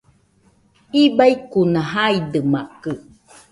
Ibaikuna jaidɨmakɨ